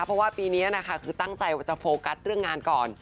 เพราะว่าปีนี้นะคะคือตั้งใจว่าจะโฟกัสเรื่องงานก่อน